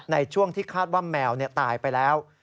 ในช่วงที่คาดว่าแมวตายไปแล้ว